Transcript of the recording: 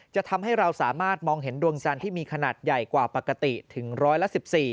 จะทำให้เราสามารถมองเห็นดวงจันทร์ที่มีขนาดใหญ่กว่าปกติถึงร้อยละ๑๔